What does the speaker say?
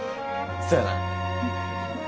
そやな。